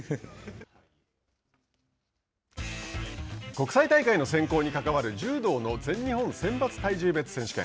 国際大会の選考に関わる柔道の全日本選抜体重別選手権。